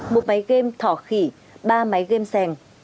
một máy game thỏ khỉ ba máy game sèn